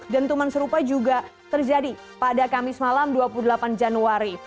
dentuman serupa juga terjadi pada kamis malam dua puluh delapan januari